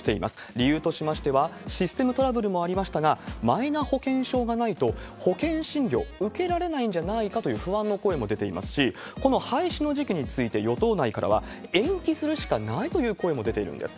理由としましては、システムトラブルもありましたが、マイナ保険証がないと、保険診療受けられないんじゃないかという不安の声も出ていますし、この廃止の時期について、与党内からは、延期するしかないという声も出ているんです。